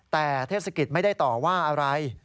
แต่เทศกิจไม่ได้ต่อว่าอะไร